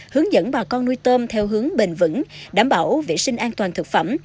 hướng dẫn bà con nuôi tôm theo hướng bền vững đảm bảo vệ sinh an toàn thực phẩm